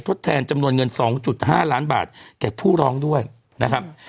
ทดแทนจำนวนเงิน๒๕ล้านบาทแก่ผู้ร้องด้วยนะครับ